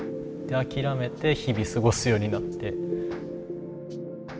諦めて日々過ごすようになって。